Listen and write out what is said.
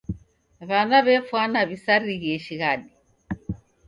W'ana w'efwana w'isarighie shighadi.